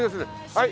はい。